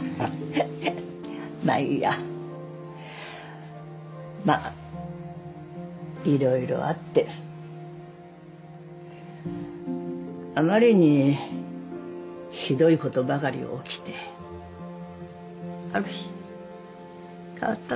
まあいいやまあいろいろあってあまりにひどいことばかり起きてある日変わったんだ